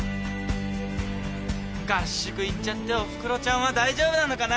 合宿行っちゃっておふくろちゃんは大丈夫なのかな？